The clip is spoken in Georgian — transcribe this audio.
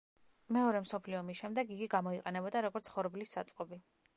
მეორე მსოფლიო ომის შემდეგ იგი გამოიყენებოდა როგორც ხორბლის საწყობი.